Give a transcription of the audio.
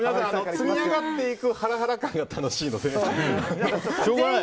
積み上がっていくハラハラ感がしょうがない。